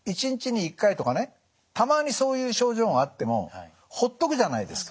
たまにそういう症状があってもほっとくじゃないですか。